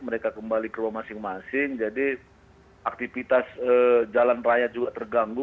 mereka kembali ke rumah masing masing jadi aktivitas jalan raya juga terganggu